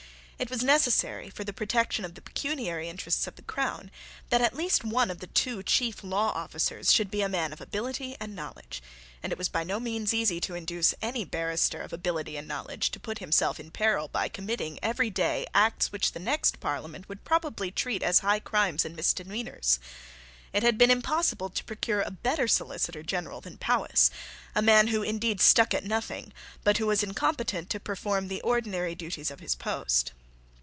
It was necessary, for the protection of the pecuniary interests of the crown, that at least one of the two chief law officers should be a man of ability and knowledge; and it was by no means easy to induce any barrister of ability and knowledge to put himself in peril by committing every day acts which the next Parliament would probably treat as high crimes and misdemeanours. It had been impossible to procure a better Solicitor General than Powis, a man who indeed stuck at nothing, but who was incompetent to perform the ordinary duties of his post.